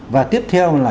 và tiếp theo là